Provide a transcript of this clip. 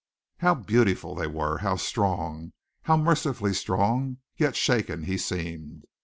How beautiful they were! How strong, how mercifully strong, yet shaken, he seemed!